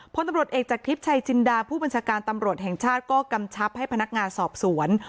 พลตำรวจเอกจากทิพย์ชัยจินดาผู้บัญชาการตำรวจแห่งชาติก็กำชับให้พนักงานสอบสวน